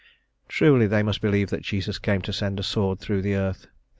Truly they must believe that Jesus came to send a sword through the earth.